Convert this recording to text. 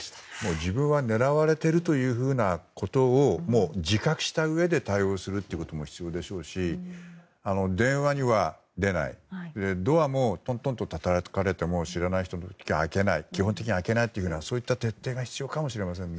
自分は狙われていると自覚したうえで対応することも必要でしょうし電話には出ないドアもトントンとたたかれても知らない人の時は基本的には開けないという徹底が必要かもしれませんね。